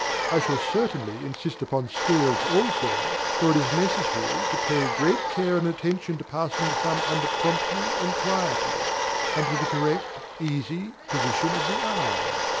I shall certainly insist upon scales also, for it is necessary to pay great care and attention to passing the thumb under promptly and quietly, and to the correct, easy position of the arm.